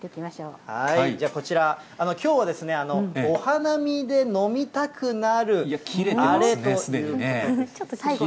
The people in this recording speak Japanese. じゃあこちら、きょうは、お花見で飲みたくなるあれということで。